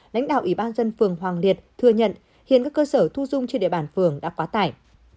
lãnh đạo ủy ban dân phường hoàng liệt thừa nhận hiện các cơ sở thu dung trên địa bàn phường đã quá tải